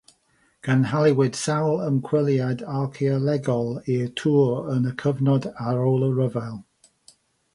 Cynhaliwyd sawl ymchwiliad archeolegol i'r tŵr yn y cyfnod ar ôl y rhyfel.